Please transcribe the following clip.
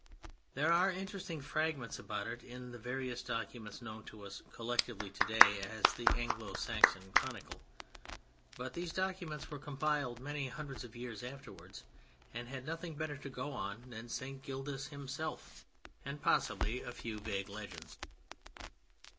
] There are interesting fragments about it in the various documents known (to us) collectively today as "The Anglo Saxon Chronicle"—but these documents were compiled many hundreds of years afterwards and had nothing better to go on than St. Gildas himself and possibly a few vague legends.